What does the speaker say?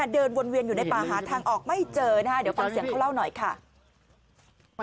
เดินวนเวียนอยู่ในป่าหาทางออกไม่เจอนะคะ